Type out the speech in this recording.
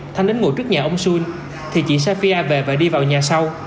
thanh đến ngồi trước nhà ông xu thì chị safia về và đi vào nhà sau